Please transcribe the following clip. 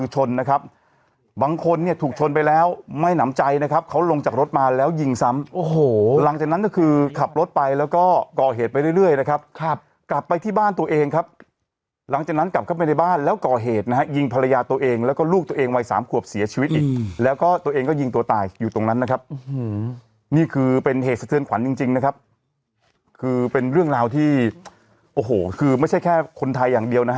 เหตุไปเรื่อยเรื่อยนะครับครับกลับไปที่บ้านตัวเองครับหลังจากนั้นกลับเข้าไปในบ้านแล้วก่อเหตุนะฮะยิงภรรยาตัวเองแล้วก็ลูกตัวเองวัยสามขวบเสียชีวิตอีกแล้วก็ตัวเองก็ยิงตัวตายอยู่ตรงนั้นนะครับอืมนี่คือเป็นเหตุสะเทือนขวัญจริงจริงนะครับคือเป็นเรื่องราวที่โอ้โหคือไม่ใช่แค่คนไทยอย่างเดียว